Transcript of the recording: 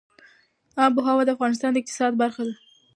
آب وهوا د افغانستان د اقتصاد برخه ده.